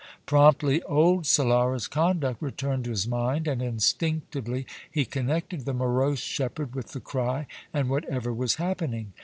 Promptly old Solara's conduct returned to his mind, and instinctively he connected the morose shepherd with the cry and whatever was happening.